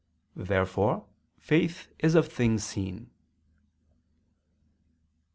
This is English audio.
Therefore faith is of things seen.